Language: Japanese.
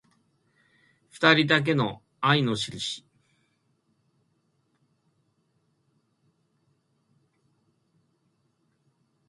ふたりだけの愛のしるし